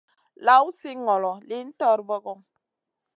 Lawn si ŋolo, lihn torbogo.